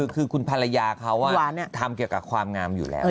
คือคุณภรรยาเขาทำเกี่ยวกับความงามอยู่แล้ว